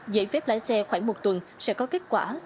giấy phép lái xe khoảng một tuần sẽ có kết quả